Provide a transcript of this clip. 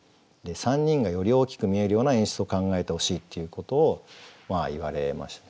３人がより大きく見えるような演出を考えてほしいっていうことを言われましたね。